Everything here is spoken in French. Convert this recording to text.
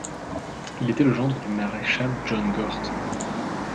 Il était le gendre du maréchal John Gort.